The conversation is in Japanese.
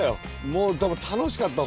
もう楽しかった。